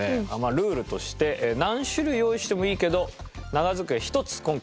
ルールとして何種類用意してもいいけど長机１つ今回は。